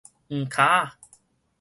黃跤仔